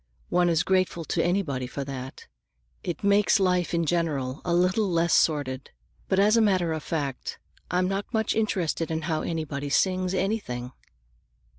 One is grateful to anybody for that; it makes life in general a little less sordid. But as a matter of fact, I'm not much interested in how anybody sings anything."